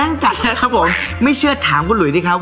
เออถ้าเป็นคนดีจริงทำไมไม่ห้าม